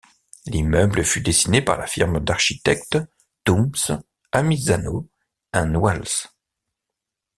L'immeuble fut dessiné par la firme d'architectes Toombs, Amisano and Wells.